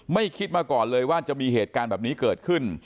ไม่คิดมาก่อนเลยว่าจะมีเหตุการณ์แบบนี้เกิดขึ้น